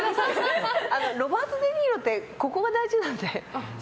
ロバート・デ・ニーロってここが大事なんで。